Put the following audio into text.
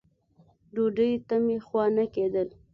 ډوډۍ ته مې خوا نه کېده.